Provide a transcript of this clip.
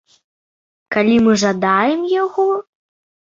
Калі мы жадаем яго?